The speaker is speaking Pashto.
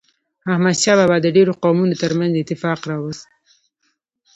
احمد شاه بابا د ډیرو قومونو ترمنځ اتفاق راوست.